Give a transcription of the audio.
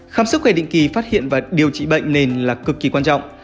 khám sức khỏe định kỳ phát hiện và điều trị bệnh nền là cực kỳ quan trọng